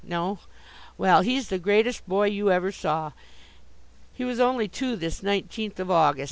No? Well, he's the greatest boy you even saw. He was only two this nineteenth of August.